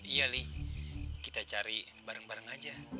iya sih kita cari bareng bareng aja